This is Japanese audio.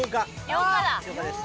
８日です。